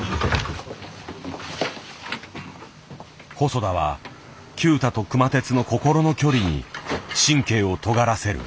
細田は九太と熊徹の心の距離に神経をとがらせる。